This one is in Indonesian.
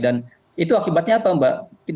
dan itu akibatnya apa mbak